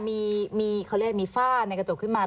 มีคอเลสมีฝ้านในกระจกขึ้นมา